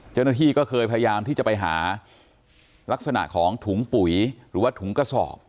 เจ้าหน้าที่ก็เคยพยายามที่จะไปหาลักษณะของถุงปุ๋ยหรือว่าถุงกระสอบ